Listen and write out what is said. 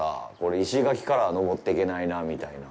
石垣からは登っていけないなみたいな。